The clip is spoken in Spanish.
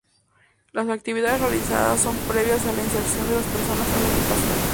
Las actividades realizadas son previas a la inserción de la persona a la agrupación.